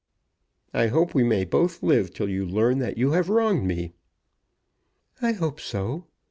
"I hope we may both live till you learn that you have wronged me." "I hope so.